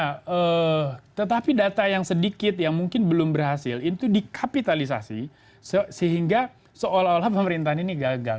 nah tetapi data yang sedikit yang mungkin belum berhasil itu dikapitalisasi sehingga seolah olah pemerintahan ini gagal